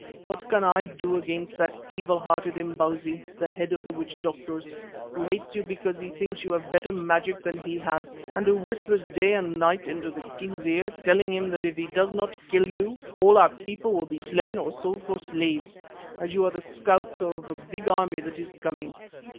What can I do against that evil hearted Imbozwi, the head of the witch doctors, who hates you because he thinks you have better magic than he has and who whispers day and night into the king's ear, telling him that if he does not kill you, all our people will be slain or sold for slaves, as you are only the scouts of a big army that is coming.